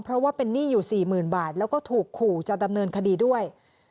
เพราะว่าเป็นหนี้อยู่๔๐๐๐บาทแล้วก็ถูกขู่จะดำเนินคดีด้วย